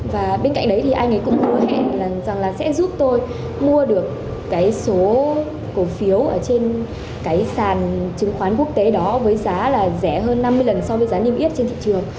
và bên cạnh đấy thì anh ấy cũng vừa hẹn rằng sẽ giúp tôi mua được số cổ phiếu trên sàn chứng khoán quốc tế đó với giá rẻ hơn năm mươi lần so với giá niêm yết trên thị trường